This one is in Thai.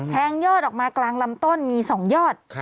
ยอดออกมากลางลำต้นมี๒ยอด